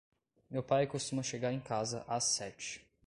Meu pai costuma chegar em casa às sete.